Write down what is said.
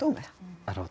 なるほど。